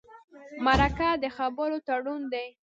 مرکه د خبرو تړون دی.